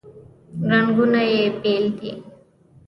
رنګونه یې بیل دي.